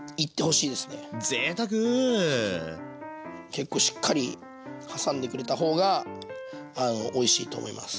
結構しっかり挟んでくれた方がおいしいと思います。